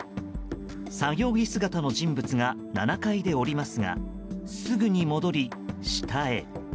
作業着姿の人物が７階で降りますがすぐに戻り、下へ。